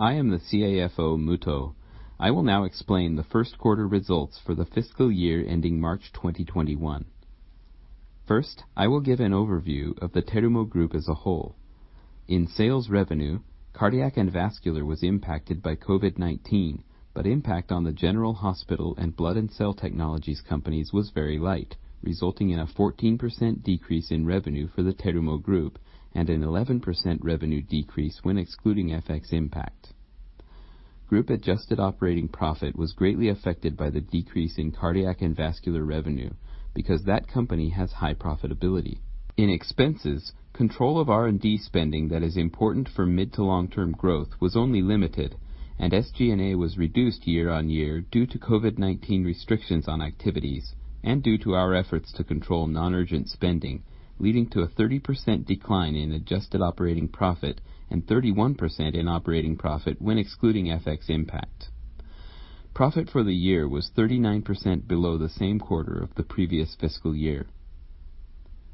I am the CFO, Muto. I will now explain the first quarter results for the fiscal year ending March 2021. First, I will give an overview of the Terumo Group as a whole. In sales revenue, Cardiac and Vascular was impacted by COVID-19, but impact on the General Hospital and Blood and Cell Technologies companies was very light, resulting in a 14% decrease in revenue for the Terumo Group and an 11% revenue decrease when excluding FX impact. Group adjusted operating profit was greatly affected by the decrease in Cardiac and Vascular revenue because that company has high profitability. In expenses, control of R&D spending that is important for mid to long-term growth was only limited, and SG&A was reduced year-on-year due to COVID-19 restrictions on activities and due to our efforts to control non-urgent spending, leading to a 30% decline in adjusted operating profit and 31% in operating profit when excluding FX impact. Profit for the year was 39% below the same quarter of the previous fiscal year.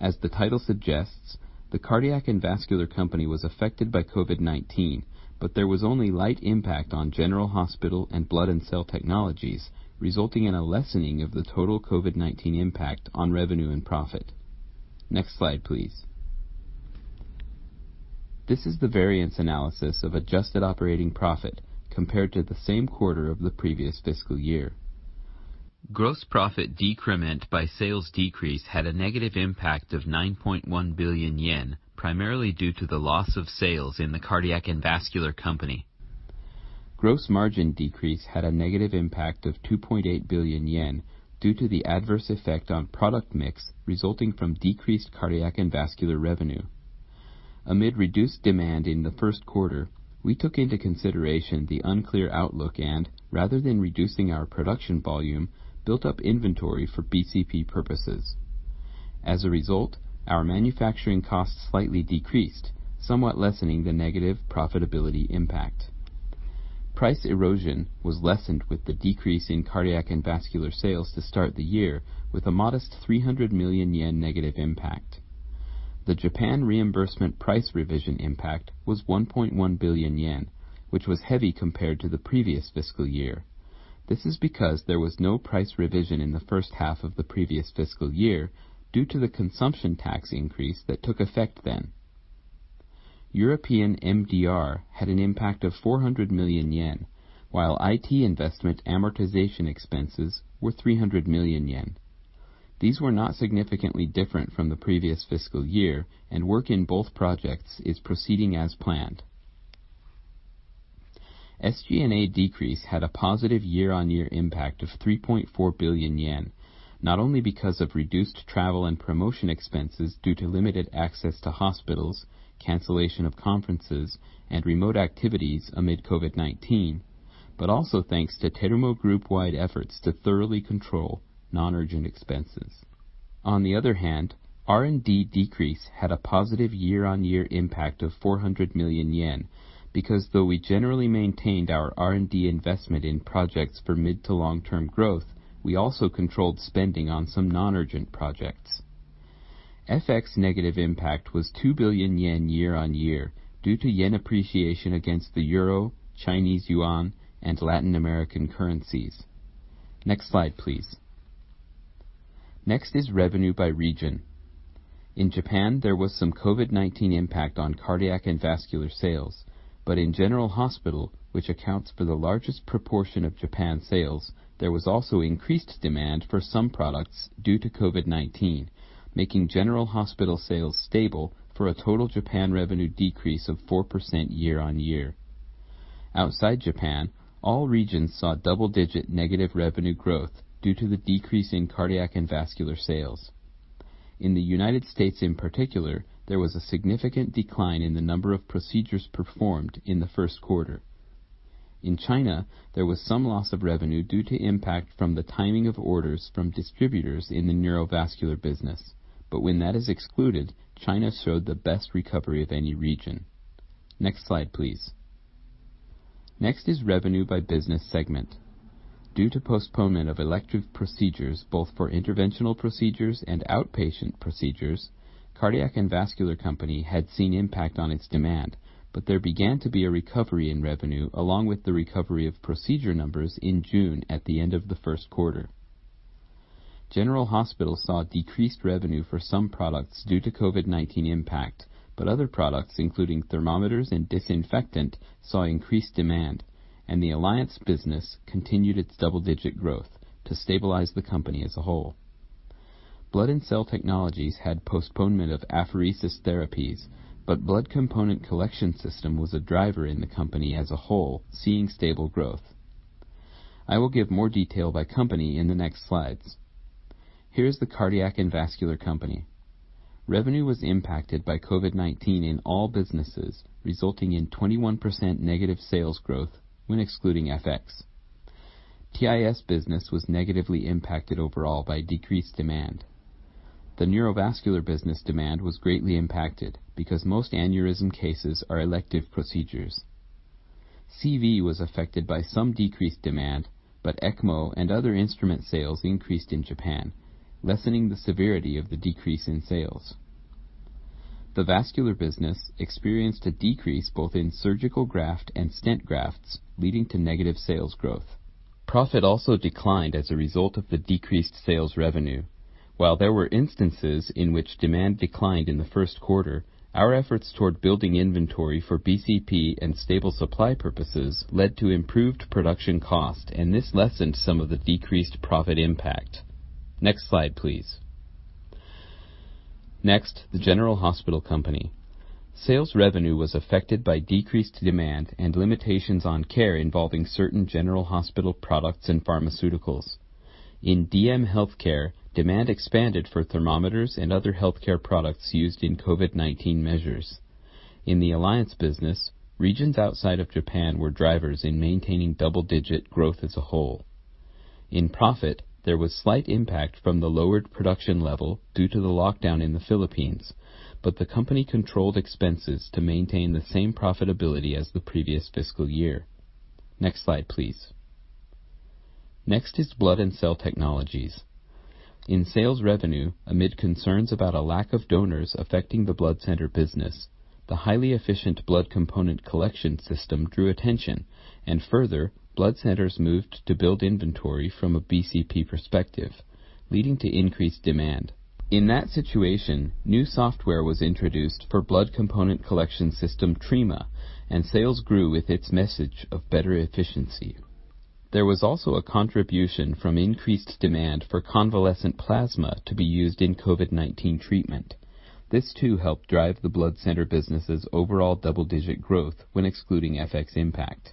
As the title suggests, the Cardiac and Vascular Company was affected by COVID-19, but there was only light impact on General Hospital and Blood and Cell Technologies, resulting in a lessening of the total COVID-19 impact on revenue and profit. Next slide, please. This is the variance analysis of adjusted operating profit compared to the same quarter of the previous fiscal year. Gross profit decrement by sales decrease had a negative impact of 9.1 billion yen, primarily due to the loss of sales in the Cardiac and Vascular Company. Gross margin decrease had a negative impact of 2.8 billion yen due to the adverse effect on product mix resulting from decreased Cardiac and Vascular revenue. Amid reduced demand in the first quarter, we took into consideration the unclear outlook and rather than reducing our production volume, built up inventory for BCP purposes. As a result, our manufacturing costs slightly decreased, somewhat lessening the negative profitability impact. Price erosion was lessened with the decrease in Cardiac and Vascular sales to start the year with a modest 300 million yen negative impact. The Japan reimbursement price revision impact was 1.1 billion yen, which was heavy compared to the previous fiscal year. This is because there was no price revision in the first half of the previous fiscal year due to the consumption tax increase that took effect then. European MDR had an impact of 400 million yen, while IT investment amortization expenses were 300 million yen. These were not significantly different from the previous fiscal year, and work in both projects is proceeding as planned. SG&A decrease had a positive year-on-year impact of 3.4 billion yen, not only because of reduced travel and promotion expenses due to limited access to hospitals, cancellation of conferences, and remote activities amid COVID-19, but also thanks to Terumo Group-wide efforts to thoroughly control non-urgent expenses. On the other hand, R&D decrease had a positive year-on-year impact of 400 million yen because though we generally maintained our R&D investment in projects for mid to long-term growth, we also controlled spending on some non-urgent projects. FX negative impact was 2 billion yen year-on-year due to yen appreciation against the euro, Chinese yuan, and Latin American currencies. Next slide, please. Next is revenue by region. In Japan, there was some COVID-19 impact on Cardiac and Vascular sales. In General Hospital, which accounts for the largest proportion of Japan sales, there was also increased demand for some products due to COVID-19, making General Hospital sales stable for a total Japan revenue decrease of 4% year-on-year. Outside Japan, all regions saw double-digit negative revenue growth due to the decrease in Cardiac and Vascular sales. In the U.S., in particular, there was a significant decline in the number of procedures performed in the first quarter. In China, there was some loss of revenue due to impact from the timing of orders from distributors in the neurovascular business. When that is excluded, China showed the best recovery of any region. Next slide, please. Next is revenue by business segment. Due to postponement of elective procedures both for interventional procedures and outpatient procedures, Cardiac and Vascular Company had seen impact on its demand, but there began to be a recovery in revenue along with the recovery of procedure numbers in June at the end of the first quarter. General Hospital saw decreased revenue for some products due to COVID-19 impact, but other products, including thermometers and disinfectant, saw increased demand, and the alliance business continued its double-digit growth to stabilize the company as a whole. Blood and Cell Technologies had postponement of apheresis therapies, but blood component collection system was a driver in the company as a whole, seeing stable growth. I will give more detail by company in the next slides. Here is the Cardiac and Vascular Company. Revenue was impacted by COVID-19 in all businesses, resulting in 21% negative sales growth when excluding FX. TIS business was negatively impacted overall by decreased demand. The neurovascular business demand was greatly impacted because most aneurysm cases are elective procedures. CV was affected by some decreased demand, but ECMO and other instrument sales increased in Japan, lessening the severity of the decrease in sales. The vascular business experienced a decrease both in surgical graft and stent grafts, leading to negative sales growth. Profit also declined as a result of the decreased sales revenue. While there were instances in which demand declined in the first quarter, our efforts toward building inventory for BCP and stable supply purposes led to improved production cost, and this lessened some of the decreased profit impact. Next slide, please. The General Hospital Company. Sales revenue was affected by decreased demand and limitations on care involving certain General Hospital products and pharmaceuticals. In DM healthcare, demand expanded for thermometers and other healthcare products used in COVID-19 measures. In the alliance business, regions outside of Japan were drivers in maintaining double-digit growth as a whole. In profit, there was slight impact from the lowered production level due to the lockdown in the Philippines, but the company controlled expenses to maintain the same profitability as the previous fiscal year. Next slide, please. Next is Blood and Cell Technologies. In sales revenue, amid concerns about a lack of donors affecting the blood center business, the highly efficient blood component collection system drew attention, and further, blood centers moved to build inventory from a BCP perspective, leading to increased demand. In that situation, new software was introduced for blood component collection system Trima and sales grew with its message of better efficiency. There was also a contribution from increased demand for convalescent plasma to be used in COVID-19 treatment. This too helped drive the blood center business's overall double-digit growth when excluding FX impact.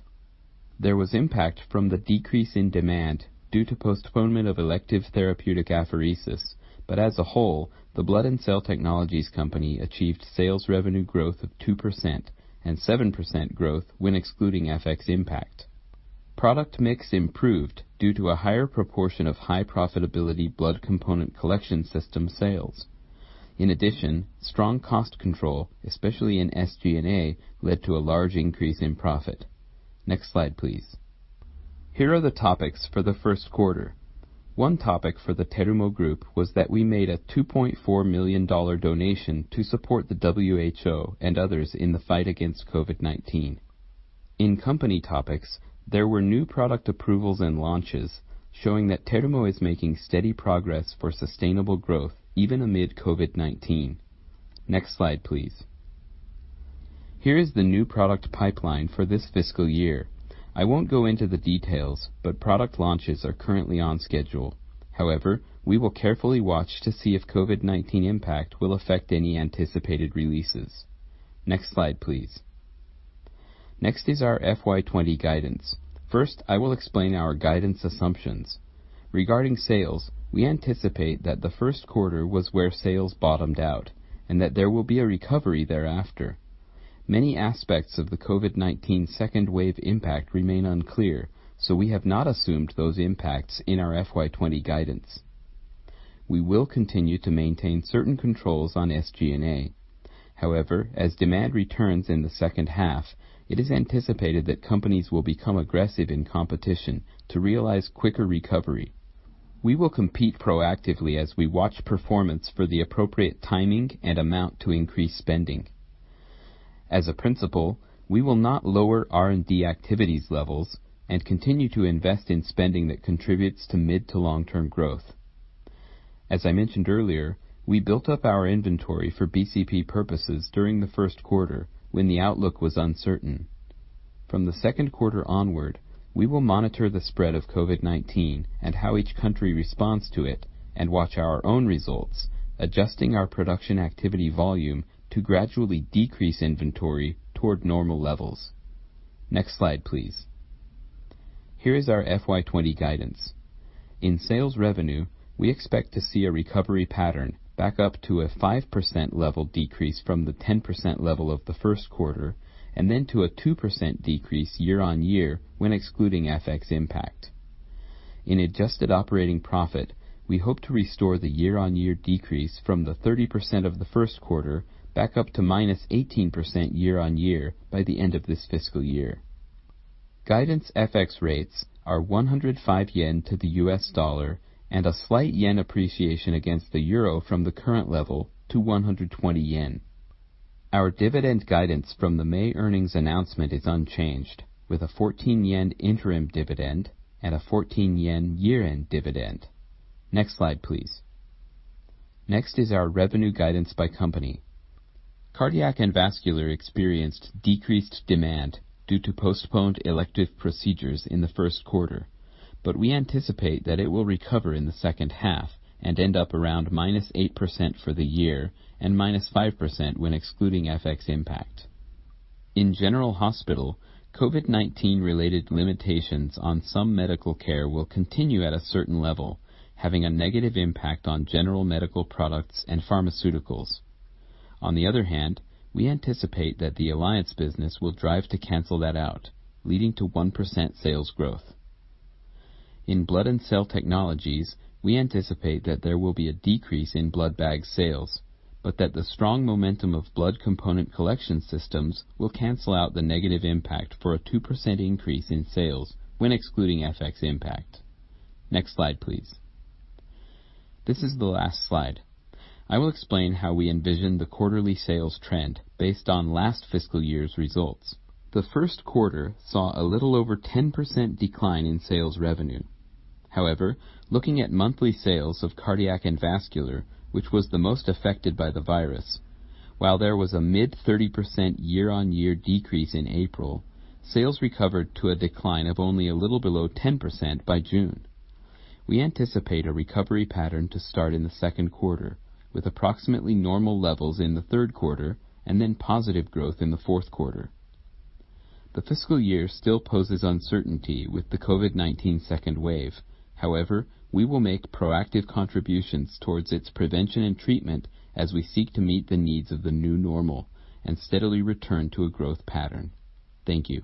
There was impact from the decrease in demand due to postponement of elective therapeutic apheresis, but as a whole, the Blood and Cell Technologies Company achieved sales revenue growth of 2% and 7% growth when excluding FX impact. Product mix improved due to a higher proportion of high profitability blood component collection system sales. In addition, strong cost control, especially in SG&A, led to a large increase in profit. Next slide, please. Here are the topics for the first quarter. One topic for the Terumo Group was that we made a $2.4 million donation to support the WHO and others in the fight against COVID-19. In company topics, there were new product approvals and launches showing that Terumo is making steady progress for sustainable growth even amid COVID-19. Next slide, please. Here is the new product pipeline for this fiscal year. I won't go into the details, but product launches are currently on schedule. However, we will carefully watch to see if COVID-19 impact will affect any anticipated releases. Next slide, please. Next is our FY20 guidance. First, I will explain our guidance assumptions. Regarding sales, we anticipate that the first quarter was where sales bottomed out, and that there will be a recovery thereafter. Many aspects of the COVID-19 second wave impact remain unclear, so we have not assumed those impacts in our FY20 guidance. We will continue to maintain certain controls on SG&A. As demand returns in the second half, it is anticipated that companies will become aggressive in competition to realize quicker recovery. We will compete proactively as we watch performance for the appropriate timing and amount to increase spending. As a principle, we will not lower R&D activities levels and continue to invest in spending that contributes to mid to long-term growth. As I mentioned earlier, we built up our inventory for BCP purposes during the first quarter when the outlook was uncertain. From the second quarter onward, we will monitor the spread of COVID-19 and how each country responds to it and watch our own results, adjusting our production activity volume to gradually decrease inventory toward normal levels. Next slide, please. Here is our FY 2020 guidance. In sales revenue, we expect to see a recovery pattern back up to a 5% level decrease from the 10% level of the first quarter, and then to a 2% decrease year-on-year when excluding FX impact. In adjusted operating profit, we hope to restore the year-on-year decrease from the 30% of the first quarter back up to -18% year-on-year by the end of this fiscal year. Guidance FX rates are 105 yen to the US dollar and a slight yen appreciation against the euro from the current level to 120 yen. Our dividend guidance from the May earnings announcement is unchanged, with a 14 yen interim dividend and a 14 yen year-end dividend. Next slide, please. Next is our revenue guidance by company. Cardiac and Vascular experienced decreased demand due to postponed elective procedures in the first quarter. We anticipate that it will recover in the second half and end up around -8% for the year and -5% when excluding FX impact. In General Hospital, COVID-19-related limitations on some medical care will continue at a certain level, having a negative impact on general medical products and pharmaceuticals. We anticipate that the alliance business will drive to cancel that out, leading to 1% sales growth. In Blood and Cell Technologies, we anticipate that there will be a decrease in blood bag sales, but that the strong momentum of blood component collection systems will cancel out the negative impact for a 2% increase in sales when excluding FX impact. Next slide, please. This is the last slide. I will explain how we envision the quarterly sales trend based on last fiscal year's results. The first quarter saw a little over 10% decline in sales revenue. Looking at monthly sales of Cardiac and Vascular, which was the most affected by the virus, while there was a mid 30% year-on-year decrease in April, sales recovered to a decline of only a little below 10% by June. We anticipate a recovery pattern to start in the second quarter, with approximately normal levels in the third quarter and then positive growth in the fourth quarter. The fiscal year still poses uncertainty with the COVID-19 second wave. We will make proactive contributions towards its prevention and treatment as we seek to meet the needs of the new normal and steadily return to a growth pattern. Thank you.